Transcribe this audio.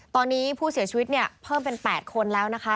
ตอนนี้ผู้เสียชีวิตเนี่ยเพิ่มเป็น๘คนแล้วนะคะ